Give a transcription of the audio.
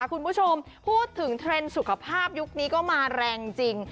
คุณผู้ชมพูดถึงเทรนด์สุขภาพยุคนี้ก็มาแรงจริง